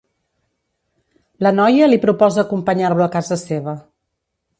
La noia li proposa acompanyar-lo a casa seva.